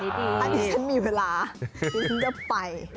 ตอนนี้ฉันมีเวลาฉันจะไป